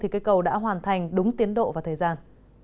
cây cầu đã hoàn thành đúng tiến độ và thời gian